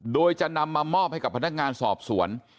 โดยจะนำมามอบให้กับพนักงานสอบสวน